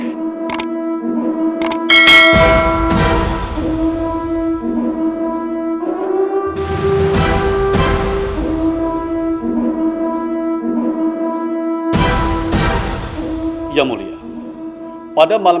ketua ger prabu